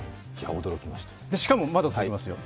しかもまだ続きますよ。